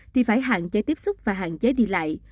thì phải hạn chế tiếp xúc và hạn chế đi lại